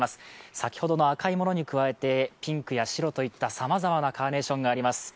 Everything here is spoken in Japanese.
先ほどの赤いものに加えて、ピンクや白といったさまざまなカーネーションがあります。